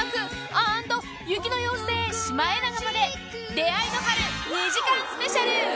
アーンド雪の妖精、シマエナガまで、出会いの春、２時間スペシャ